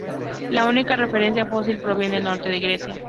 La única referencia fósil proviene del norte de Grecia